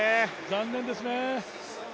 残念ですね。